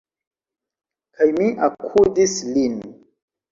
Kaj mi akuzis lin!